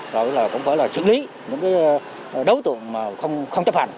rồi cũng phải là xử lý những đấu tượng mà không chấp hành